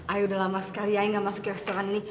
ayo udah lama sekali ayo gak masuk ke restoran ini